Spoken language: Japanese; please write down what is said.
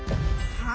はあ？